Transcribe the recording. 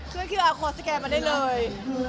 ขึ้นคิวอาร์โค้ดสแกนมาได้เลย